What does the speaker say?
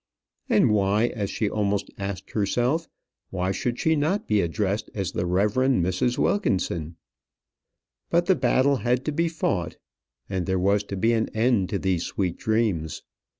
And why, as she almost asked herself why should she not be addressed as the Reverend Mrs. Wilkinson? But the battle had to be fought, and there was to be an end to these sweet dreams.